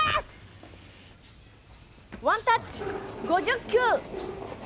ワンタッチ５０球！